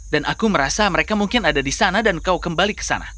dan aku merasa mereka mungkin ada di sana dan kau kembali ke sana